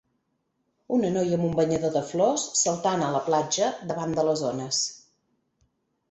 Una noia amb un banyador de flors saltant a la platja davant de les ones.